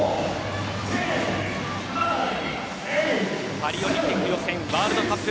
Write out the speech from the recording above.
パリオリンピック予選ワールドカップ